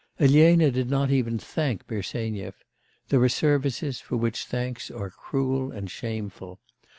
Elena did not even thank Bersenyev; there are services for which thanks are cruel and shameful.